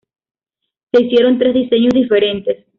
Se hicieron tres diseños diferentes.